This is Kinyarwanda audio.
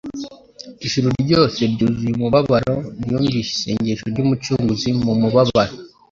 Ijuru ryose ryuzuye umubabaro ryumvise isengesho ry'Umucunguzi mu mubabaro